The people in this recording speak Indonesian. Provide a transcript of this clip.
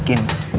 dia yang ngebukin